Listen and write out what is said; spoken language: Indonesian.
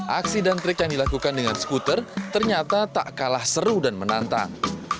aksi dan trik yang dilakukan dengan skuter ternyata tak kalah seru dan menantang